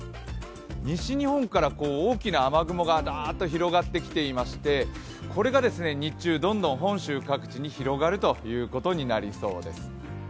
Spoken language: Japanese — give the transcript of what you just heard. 西日本から大きな雨雲がだーっと広がってきていましてこれが日中、どんどん本州各地に広がるということになりそうです。